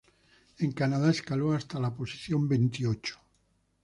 En Canadá, escaló hasta la posición veintiocho.